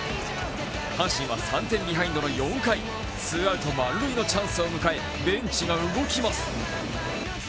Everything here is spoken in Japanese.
阪神は３点ビハインドの４回、ツーアウト満塁のチャンスを迎えベンチが動きます。